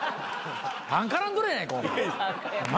タン絡んどるやないか。